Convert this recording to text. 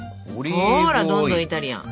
ほらどんどんイタリアン。